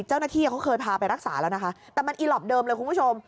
เจ้าหน้าที่เขาเคยพาไปรักษาแล้วนะคะแต่มันอีหลอปเดิมเลยคุณผู้ชม